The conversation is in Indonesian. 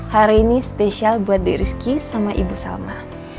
hari ini spesial buat di rizky sama ibu salma